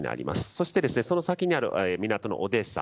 そして、その先にある港のオデーサ。